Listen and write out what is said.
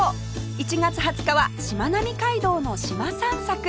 １月２０日はしまなみ海道の島散策